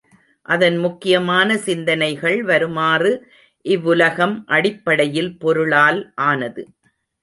அதன் முக்கியமான சிந்தனைகள் வருமாறு இவ்வுலகம் அடிப்படையில் பொருளால் ஆனது.